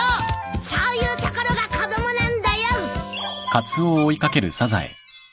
そういうところが子供なんだよ。